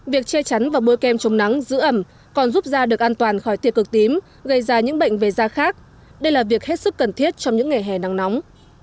việc hết sức cần thiết trong những ngày hè nắng nóng